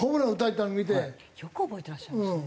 よく覚えてらっしゃいますね。